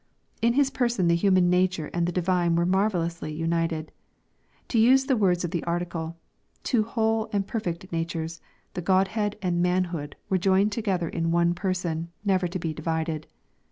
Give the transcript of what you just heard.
In His Person the human nature and the divine were marvellously united. To use the words of the Article, " Two whole and perfect natures, the godhead and manhood, were joined together in one Person, never to be divided."